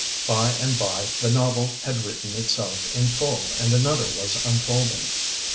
By and by the novel had written itself in full, and another was unfolding.